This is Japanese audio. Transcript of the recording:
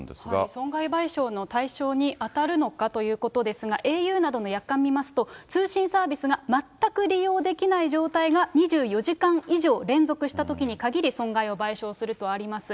損害賠償の対象に当たるのかということですが、ａｕなどの約款を見ますと、通信サービスが全く利用できない状態が２４時間以上連続したときに限り、損害を賠償するとあります。